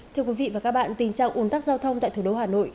thưa quý vị và các bạn tình trạng ồn tắc giao thông tại thủ đô hà nội